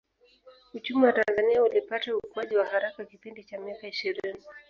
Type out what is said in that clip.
Uchumi wa Tanzania ulipata ukuaji wa haraka kipindi cha miaka ishirini